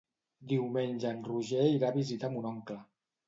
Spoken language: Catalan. Diumenge en Roger irà a visitar mon oncle.